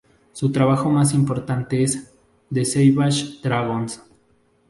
Su trabajo más importante es "The Savage Dragon".